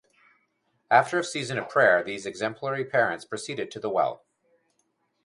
After a season of prayer, these exemplary parents proceeded to the well.